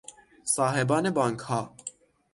صاحبان بانکها